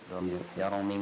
kurang lebih lah kayak nih mas